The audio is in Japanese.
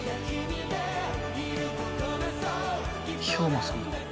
兵馬さんだ。